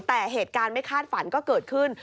แต่เหตุการณ์ไม่คาดฝันก็เกิดขึ้น